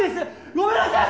ごめんなさい！